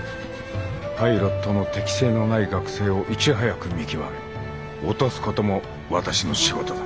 パイロットの適性のない学生をいち早く見極め落とすことも私の仕事だ。